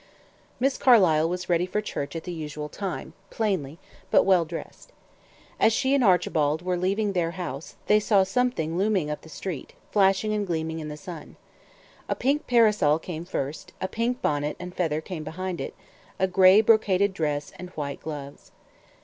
Miss Carlyle was ready for church at the usual time, plainly, but well dressed. As she and Archibald were leaving their house, they saw something looming up the street, flashing and gleaming in the sun. A pink parasol came first, a pink bonnet and feather came behind it, a gray brocaded dress and white gloves.